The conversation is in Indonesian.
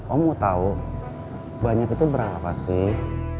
om mau tahu banyak itu berapa sih